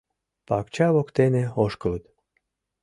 Пакча воктене ошкылыт.